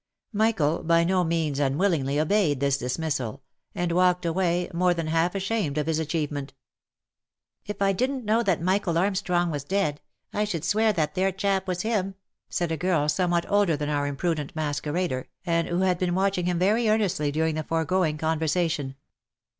Michael by no means unwillingly obeyed this dismissal, and walked away, more than half ashamed of his achievement. ",If I didn't know that Michael Armstrong was dead, I should swear that there chap was him," said a girl somewhat older than our imprudent masquerader, and who had been watching him very earn estly during the foregoing conversation.